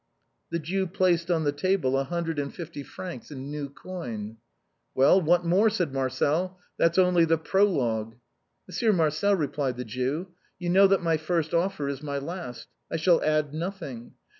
The Jew placed on the table a hundred and fifty francs in new coin. " Well, what more ?" said Marcel :" that's only the prologue." " Monsieur Marcel," replied the Jew, " you know that my first offer is my last. I shall add nothing.